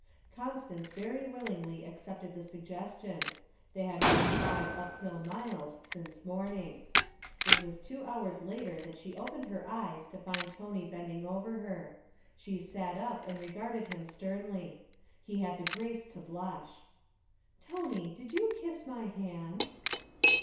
Constance very willingly accepted the suggestion. They had walked five uphill miles since morning. It was two hours later that she opened her eyes to find Tony bending over her. She sat up and regarded him sternly. He had the grace to blush. 'Tony, did you kiss my hand?'